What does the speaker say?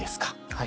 はい。